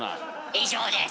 以上です。